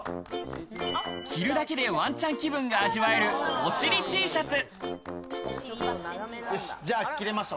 着るだけでワンちゃん気分が味わえるおしりＴシャツ。